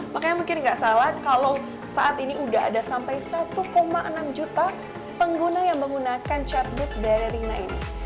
makanya mungkin nggak salah kalau saat ini udah ada sampai satu enam juta pengguna yang menggunakan chatbot dari rina ini